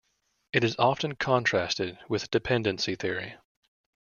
It is often contrasted with Dependency theory.